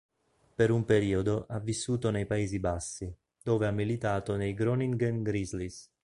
Per un periodo ha vissuto nei Paesi Bassi, dove ha militato nei Groningen Grizzlies.